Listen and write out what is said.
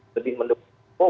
jadi mendukung soeharto